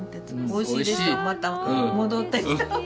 おいしいでしょまた戻ってきた。